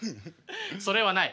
それはない。